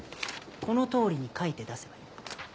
このとおりに書いて出せばいい。